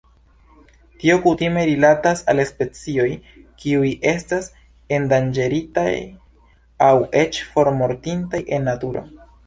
Tio kutime rilatas al specioj kiuj estas endanĝeritaj aŭ eĉ formortintaj en naturo.